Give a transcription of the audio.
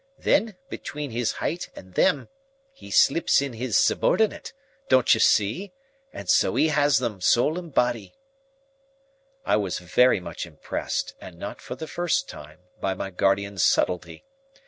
Then, between his height and them, he slips in his subordinate,—don't you see?—and so he has 'em, soul and body." I was very much impressed, and not for the first time, by my guardian's subtlety.